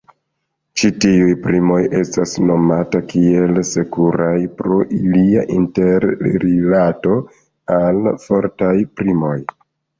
Ĉi tiuj primoj estas nomata kiel "sekuraj" pro ilia interrilato al fortaj primoj.